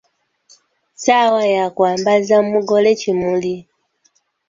Ssaawa ya kwambaza mugole kimuli.